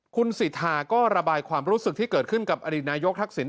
คุณสิทธาก็ระบายความรู้สึกที่เกิดขึ้นกับอดีตนายกทักษิณ